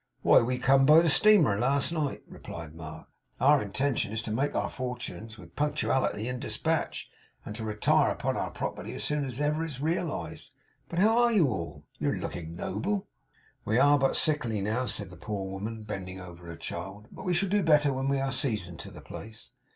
'Why, we come by the steamer last night,' replied Mark. 'Our intention is to make our fortuns with punctuality and dispatch; and to retire upon our property as soon as ever it's realised. But how are you all? You're looking noble!' 'We are but sickly now,' said the poor woman, bending over her child. 'But we shall do better when we are seasoned to the place.